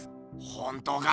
本当か？